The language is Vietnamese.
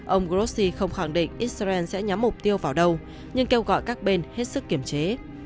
ông grossi không khẳng định israel sẽ nhắm mục tiêu vào đâu nhưng kêu gọi các bên hết sức kiềm chế